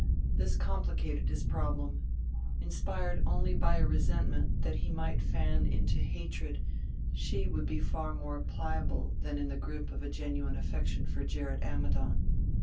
This complicated his problem: inspired only by a resentment that he might fan into hatred she would be far more pliable than in the grip of a genuine affection for Gerrit Ammidon.